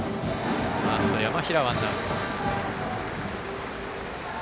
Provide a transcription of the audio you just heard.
ファーストの山平に渡ってワンアウト。